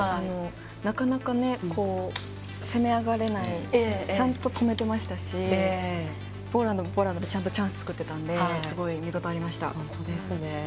なかなか攻め上がれない。ちゃんと止めてましたしポーランドもポーランドでちゃんとチャンスを作っていたのですごい見応えがありました。